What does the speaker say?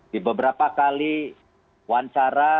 di beberapa kali wawancara